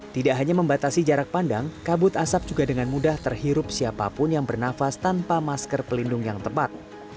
tidak hanya membatasi jarak pandang kabut asap juga dengan mudah terhirup siapapun yang bernafas tanpa masker pelindung yang tepat